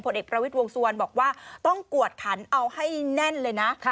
เอกประวิทย์วงสุวรรณบอกว่าต้องกวดขันเอาให้แน่นเลยนะ